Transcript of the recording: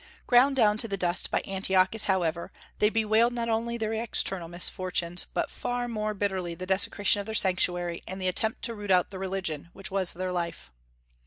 Ground down to the dust by Antiochus, however, they bewailed not only their external misfortunes, but far more bitterly the desecration of their Sanctuary and the attempt to root out their religion, which was their life.